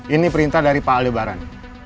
ini perintah dari pak aldebaran